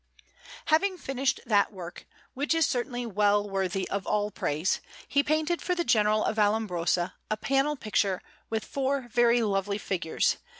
Having finished that work, which is certainly well worthy of all praise, he painted for the General of Vallombrosa a panel picture with four very lovely figures, S.